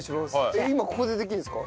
えっ今ここでできるんですか？